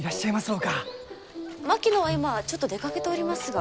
槙野は今ちょっと出かけておりますが。